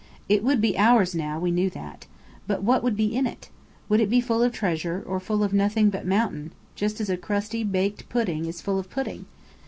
It would be ours now, we knew that. But what would be in it? Would it be full of treasure, or full of nothing but mountain, just as a crusty baked pudding is full of pudding?